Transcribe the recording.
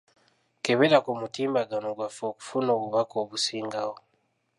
Kebera ku mutimbagano gwaffe okufuna obubaka obusingawo.